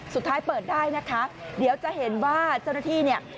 สุดท้ายเปิดได้นะคะเดี๋ยวจะเห็นว่าเจ้าหน้าที่เนี่ย